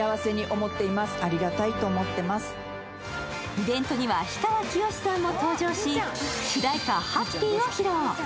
イベントには氷川きよしさんも登場し主題歌「Ｈａｐｐｙ！」を披露。